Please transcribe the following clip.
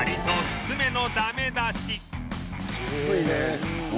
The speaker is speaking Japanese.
きついね。